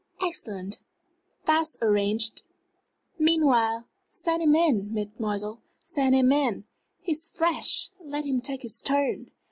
Excellent! that's arranged. Meanwhile send him in, mademoiselle send him in! He's fresh let him take his turn."